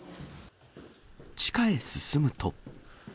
地下へ進むと。